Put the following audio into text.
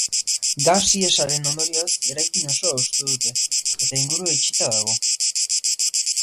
Gas ihesaren ondorioz, eraikin osoa hustu dute, eta ingurua itxita dago.